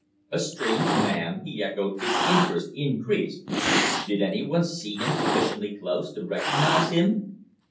"A strange man?" he echoed, his interest increased. "Did anyone see him sufficiently close to recognise him?"